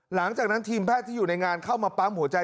หลังจากนั้นทีมแพทย์ที่อยู่ในงานเข้ามาปั๊มหัวใจ